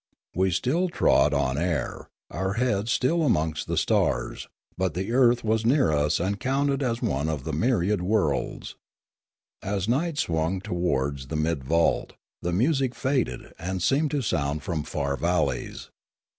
We still trod on air, our heads were still amongst the stars, but the earth was near us and counted as one of the myriad worlds. As night swung towards the mid vault, the music faded and seemed to sound from far valleys.